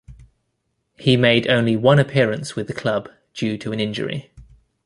He made only one appearance with the club due to an injury.